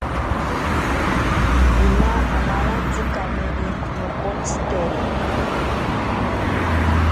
Ina amanantsi kaniri nokotsiteri.